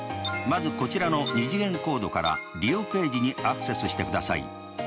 まずこちらの２次元コードから利用ページにアクセスしてください。